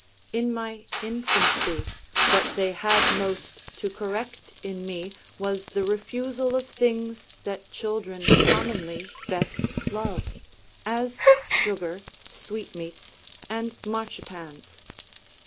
In my infancy, what they had most to correct in me was the refusal of things that children commonly best love, as sugar, sweetmeats, and march panes.